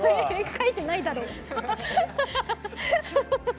「書いてないだろ」。